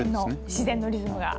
自然のリズムが。